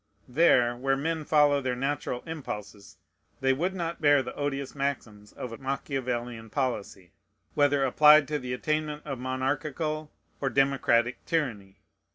There, where men follow their natural impulses, they would not bear the odious maxims of a Machiavelian policy, whether applied to the attainment of monarchical or democratic tyranny.